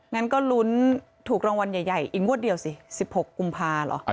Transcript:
งั้นก็ลุ้นถูกรางวัลใหญ่อีกงวดเดียวสิ๑๖กุมภาเหรอ